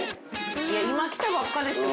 いや今来たばっかですよ